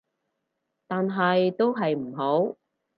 但係都係唔好